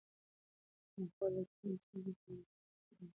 زما خور له کیلې څخه ډېر خوندور کېکونه پخوي.